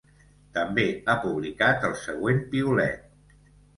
També ha publicat el següent piulet.